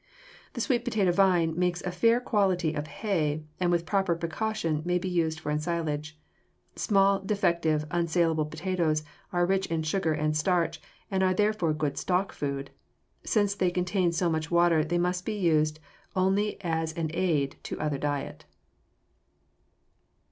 The sweet potato vine makes a fair quality of hay and with proper precaution may be used for ensilage. Small, defective, unsalable potatoes are rich in sugar and starch and are therefore good stock food. Since they contain so much water they must be used only as an aid to other diet.